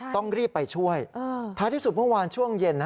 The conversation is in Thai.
ต้องรีบไปช่วยท้ายที่สุดเมื่อวานช่วงเย็น